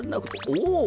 おお！